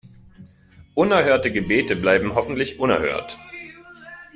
Unerhörte Gebete bleiben hoffentlich unerhört.